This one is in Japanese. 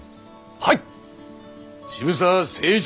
はい！